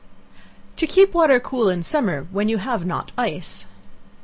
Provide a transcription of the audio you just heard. To Keep Water Cool in Summer, when you have not Ice.